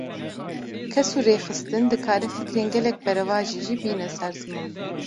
Kes û rêxistin, dikare fikrên gelek beravajî jî bîne ser ziman